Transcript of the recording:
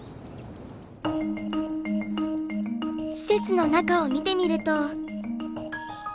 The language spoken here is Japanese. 施設の中を見てみると。